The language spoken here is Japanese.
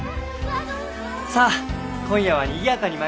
さあ今夜はにぎやかにまいりましょう。